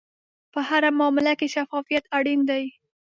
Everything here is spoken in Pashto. په هره معامله کې شفافیت اړین دی.